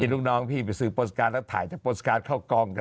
รุ่นน้องพี่ที่ซื้อโพสต์การ์ดค่ะแล้วถ่ายจากโพสต์การ์ดเข้ากล้องนะ